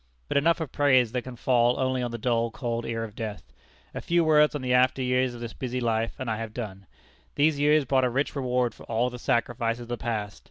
But enough of praise that can fall only on the dull, cold ear of death. A few words on the after years of this busy life, and I have done. These years brought a rich reward for all the sacrifices of the past.